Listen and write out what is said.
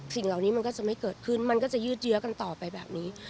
สิ่งเหล่านี้มันก็จะไม่เกิดขึ้นมันก็จะยืดเยื้อกันต่อไปแบบนี้